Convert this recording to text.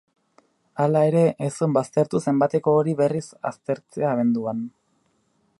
Hala ere, ez zuen baztertu zenbateko hori berriz aztertzea abenduan.